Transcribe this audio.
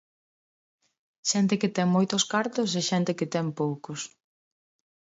Xente que ten moitos cartos e xente que ten poucos.